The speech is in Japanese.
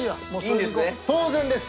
当然です！